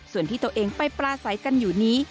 ส่วนที่ตัวเองไปปลาใสกันอยู่นี้